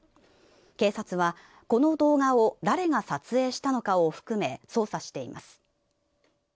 警察は、この動画を誰が撮影したのかを含め捜査しています。